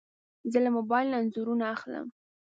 زه له موبایل نه انځورونه اخلم.